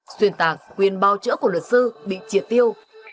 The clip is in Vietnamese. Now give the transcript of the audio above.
xuyên tạc quyền bao trỡ của luật sư bị triệt tiêu